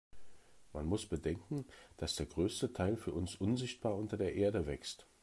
Man muss bedenken, dass der größte Teil für uns unsichtbar unter der Erde wächst.